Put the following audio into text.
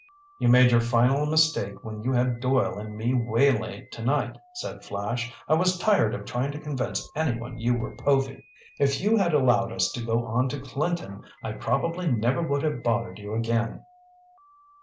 "You made your final mistake when you had Doyle and me waylaid tonight," said Flash. "I was tired of trying to convince anyone you were Povy. If you had allowed us to go on to Clinton, I probably never would have bothered you again."